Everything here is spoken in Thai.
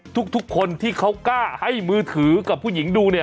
ทุกคนที่เขากล้าให้มือถือกับผู้หญิงดูเนี่ย